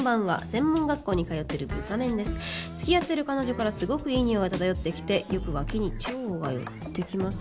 専門学校に通ってるブサメンです」「付き合ってる彼女からすごくいいにおいが漂ってきてよく脇に蝶が寄ってきます」？